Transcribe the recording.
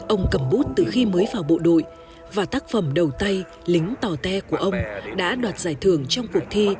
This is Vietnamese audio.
ông cầm bút từ khi mới vào bộ đội và tác phẩm đầu tay lính tàu te của ông đã đoạt giải thưởng trong cuộc thi